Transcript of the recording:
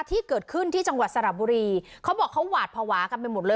ที่เกิดขึ้นที่จังหวัดสระบุรีเขาบอกเขาหวาดภาวะกันไปหมดเลย